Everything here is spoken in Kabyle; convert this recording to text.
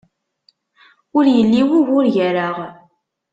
Ur yelli wugur gar-aɣ.